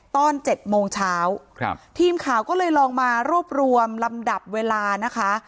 ตอน๗โมงเช้าครับทีมข่าวก็เลยลองมารวบรวมลำดับเวลานะคะ